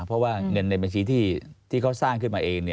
เพราะว่าเงินในบัญชีที่เขาสร้างขึ้นมาเอง